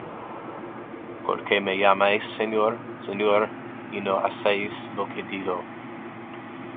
¿Por qué me llamáis, Señor, Señor, y no hacéis lo que digo?